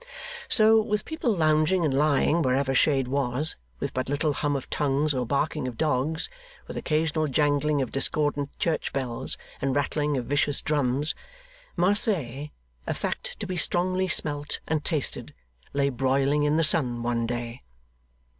So, with people lounging and lying wherever shade was, with but little hum of tongues or barking of dogs, with occasional jangling of discordant church bells and rattling of vicious drums, Marseilles, a fact to be strongly smelt and tasted, lay broiling in the sun one day.